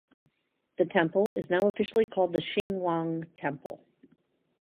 The temple is now officially called the Shing Wong Temple.